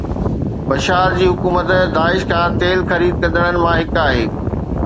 بشار جي حڪومت داعش کان تيل خريد ڪندڙن مان هڪ آهي